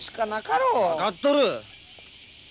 分かっとる！